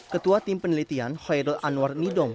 ketua tim penelitian hoidal anwar nidong